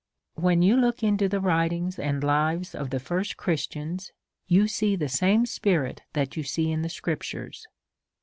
When you look into the writings and lives of the first Christians, you see the same spirit that you sec in the scriptures.